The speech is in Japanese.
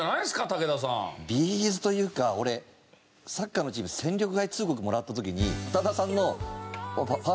’ｚというか俺サッカーのチーム戦力外通告もらった時に。